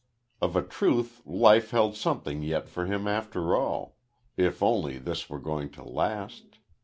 Of a truth life held something yet for him after all, if only this were going to last.